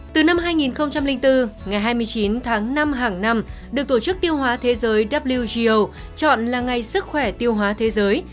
từ năm hai nghìn bốn ngày hai mươi chín tháng năm hàng năm được tổ chức tiêu hóa thế giới w chọn là ngày sức khỏe tiêu hóa thế giới